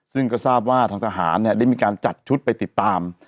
ซึ่งก็ทราบว่าทางทหารเนี่ยได้มีการจัดชุดไปติดตาม